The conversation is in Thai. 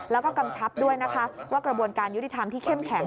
แล้วก็กำชับด้วยนะคะว่ากระบวนการยุติธรรมที่เข้มแข็ง